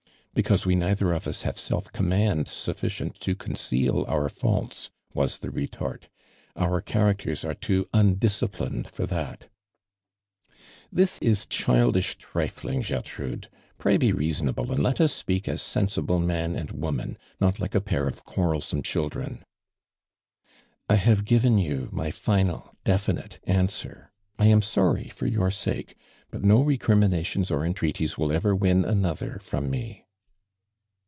"Because we neltiier of ushavo self oom niiuid sufficient to conceal our faults," wa* tin retort. " Our characters are too undis cipliufd for that !" is cliildisli triHiuL'. CJertrude I speak as This I'ray be r«asonable and let u * si nsible man and woman, not like a pair of (juarrelsonie cliildren." " I havo given you my final definite an swer. I am soiry for your sake, but no re criminations or entreaties will ever win another from me.